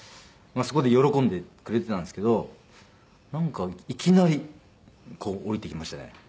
まあそこで喜んでくれてたんですけどなんかいきなり降りてきましたね